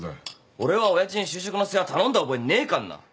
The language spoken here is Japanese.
俺は親父に就職の世話頼んだ覚えねえかんな。